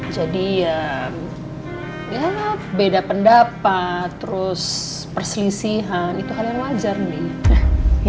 jadi ya beda pendapat terus perselisihan itu hal yang wajar nih